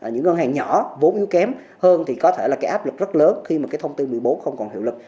những ngân hàng nhỏ vốn yếu kém hơn thì có thể là cái áp lực rất lớn khi mà cái thông tư một mươi bốn không còn hiệu lực